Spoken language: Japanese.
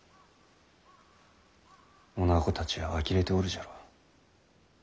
おなごたちはあきれておるじゃろう。